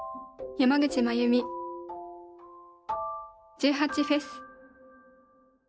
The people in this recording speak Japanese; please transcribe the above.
１８祭。